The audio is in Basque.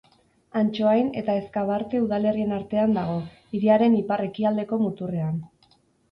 Antsoain eta Ezkabarte udalerrien artean dago, hiriaren ipar-ekialdeko muturrean.